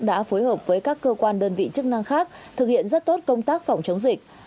đã phối hợp với các cơ quan đơn vị chức năng khác thực hiện rất tốt công tác phòng chống dịch